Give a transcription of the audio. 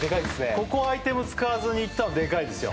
ここアイテム使わずにいったのデカいですよ